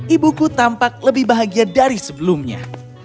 ibuku tampak lebih bahagia dari sebelumnya